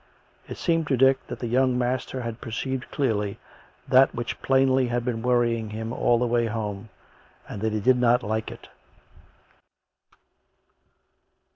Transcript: It seemed to Dick that the young mas ter had perceived clearly that which plainly had been worrying him all the way home, and that he did not like it.